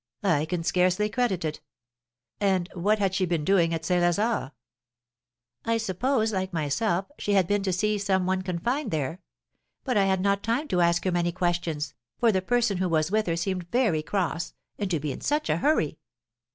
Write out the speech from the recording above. I can scarcely credit it. And what had she been doing at St. Lazare?" "I suppose, like myself, she had been to see some one confined there; but I had not time to ask her many questions, for the person who was with her seemed so very cross, and to be in such a hurry!